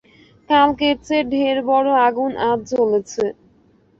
কালকের চেয়ে ঢের বড়ো আগুন আজ জ্বলেছে।